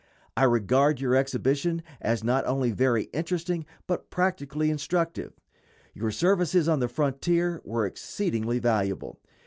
I regard your exhibition as not only very interesting, but practically instructive. Your services on the frontier were exceedingly valuable.